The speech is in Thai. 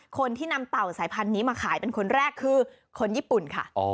คนที่นำเต่าสายพันธุ์นี้มาขายเป็นคนแรกคือคนญี่ปุ่นค่ะ